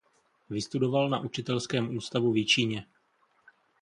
Vystudoval na učitelském ústavu v Jičíně.